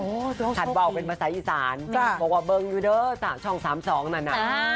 โอ้โธ่โชคดีท่านบอกว่าเป็นภาษาอีสานบอกว่าเบิร์งอยู่เนอะช่อง๓๒นั่น